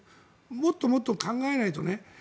もっともっと考えないとね。